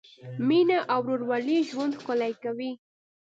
مینه او ورورولي ژوند ښکلی کوي.